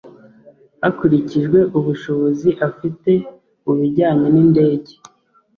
hakurikijwe ubushobozi afite mu bijyanye n indege